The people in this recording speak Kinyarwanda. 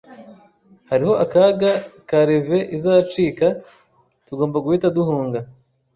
Hariho akaga ko levee izacika. Tugomba guhita duhunga